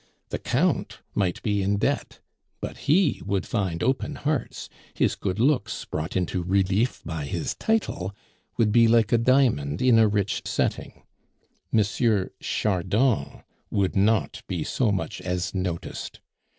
The Count might be in debt, but he would find open hearts; his good looks, brought into relief by his title, would be like a diamond in a rich setting; M. Chardon would not be so much as noticed.